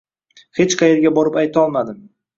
Hech qayerga borib aytolmadim